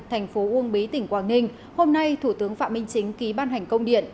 thành phố uông bí tỉnh quảng ninh hôm nay thủ tướng phạm minh chính ký ban hành công điện